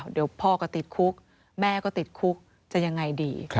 เดี๋ยวพ่อก็ติดคุกแม่ก็ติดคุกจะยังไงดี